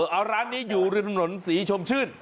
เออร้านนี้อยู่เรือนหนุ่มศรีชมชื่น